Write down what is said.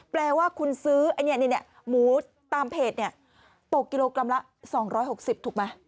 แปลว่าคุณซื้อหมูตามเพจตกกิโลกรัมละ๒๖๐ถูกไหม